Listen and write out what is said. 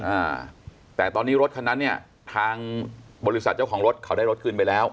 อ่าแต่ตอนนี้รถคันนั้นเนี่ยทางบริษัทเจ้าของรถเขาได้รถคืนไปแล้ว